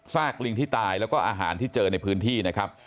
กลิงที่ตายแล้วก็อาหารที่เจอในพื้นที่นะครับ